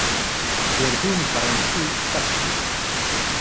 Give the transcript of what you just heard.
فێربوونی فەڕەنسی سەخت بوو.